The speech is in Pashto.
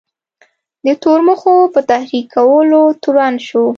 د تورمخو په تحریکولو تورن شو.